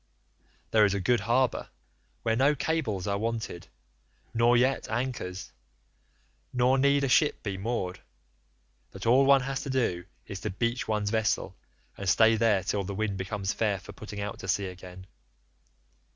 There is a good harbour where no cables are wanted, nor yet anchors, nor need a ship be moored, but all one has to do is to beach one's vessel and stay there till the wind becomes fair for putting out to sea again.